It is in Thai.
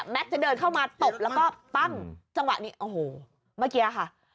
จะเดินเข้ามาตบแล้วก็ปั้งจังหวะนี้โอ้โหเมื่อกี้ค่ะ